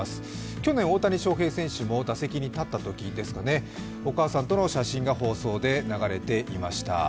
去年大谷翔平選手も打席に立ったときですかね、お母さんとの写真が放送で流れていました。